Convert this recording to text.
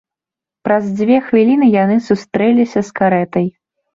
Праз дзве хвіліны яны сустрэліся з карэтай.